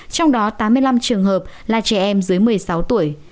trong đó tám mươi năm trường hợp là trẻ em dưới một mươi sáu tuổi